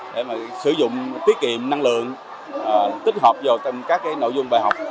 để mà sử dụng tiết kiệm năng lượng tích hợp vào các cái nội dung bài học